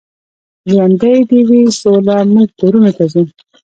ژوندۍ دې وي سوله، موږ کورونو ته ځو.